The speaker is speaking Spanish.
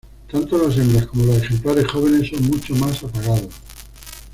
Tanto las hembras como los ejemplares jóvenes son mucho más apagados.